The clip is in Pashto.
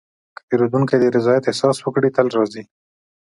که پیرودونکی د رضایت احساس وکړي، تل راځي.